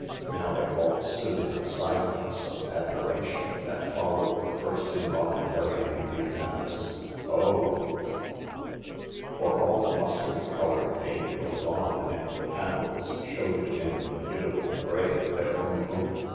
Now they all stood in a silence of admiration that followed the first involuntary and unanimous " Oh 1 " For all the mustard coloured paint was gone and the THE LARK 228 panels showed in the beautiful grey of their own oak.